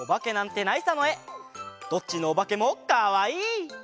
どっちのおばけもかわいい！